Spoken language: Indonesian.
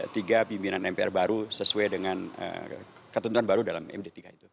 tiga pimpinan mpr baru sesuai dengan ketentuan baru dalam md tiga itu